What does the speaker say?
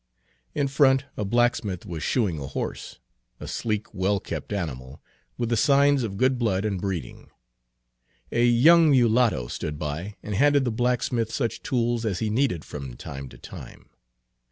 In front a blacksmith was shoeing a horse, a sleek, well kept animal with the signs of good blood and breeding. A young mulatto stood by and handed the blacksmith such tools as he needed from time to time.